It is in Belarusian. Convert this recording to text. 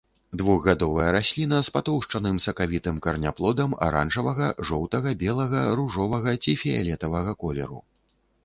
Двухгадовая расліна з патоўшчаным сакавітым караняплодам аранжавага, жоўтага, белага, ружовага ці фіялетавага колеру.